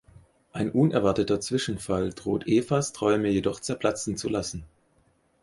Ein unerwarteter Zwischenfall droht Evas Träume jedoch zerplatzen zu lassen.